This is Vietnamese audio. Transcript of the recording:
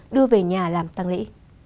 đưa về nhà làm tăng lễ